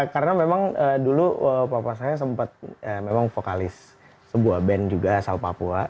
karena memang dulu papa saya sempat memang vokalis sebuah band juga asal papua